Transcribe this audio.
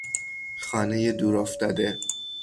خانهی دور افتاده